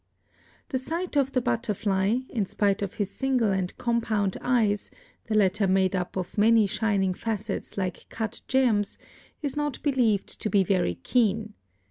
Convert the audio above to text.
The sight of the butterfly, in spite of his single and compound eyes, the latter made up of many shining facets like cut gems, is not believed to be very keen.